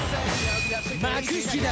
幕引きだ！